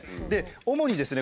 主にですね